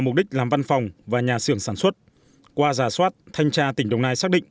mục đích làm văn phòng và nhà xưởng sản xuất qua giả soát thanh tra tỉnh đồng nai xác định